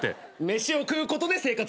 飯を食うことで生活してる。